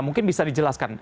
mungkin bisa dijelaskan